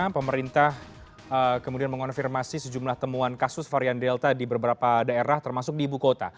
pemerintah kemudian mengonfirmasi sejumlah temuan kasus varian delta di beberapa daerah termasuk di ibu kota